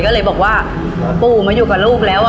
ก็เลยบอกว่าปู่มาอยู่กับลูกแล้ว